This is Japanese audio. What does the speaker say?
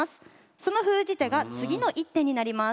その封じ手が次の一手になります。